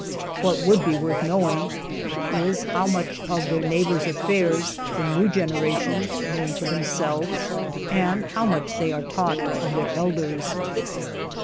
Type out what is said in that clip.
What would be worth knowing is how much of their neighbor's affairs the new generations learn for themselves, and how much they are taught of their elders.